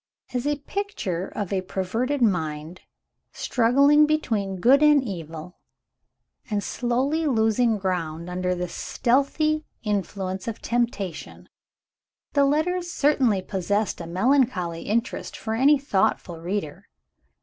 As a picture of a perverted mind, struggling between good and evil, and slowly losing ground under the stealthy influence of temptation, the letters certainly possessed a melancholy interest for any thoughtful reader.